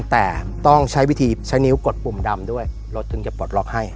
แต่ต้องใช้วิธีใช้นิ้วกดปุ่มดำด้วยรถถึงจะปลดล็อกให้